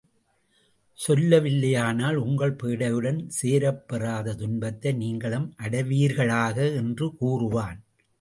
சொல்ல வில்லையானால் உங்கள் பேடையுடன் சேரப்பெறாத துன்பத்தை நீங்களும் அடைவீர்களாக! என்று கூறுவான்.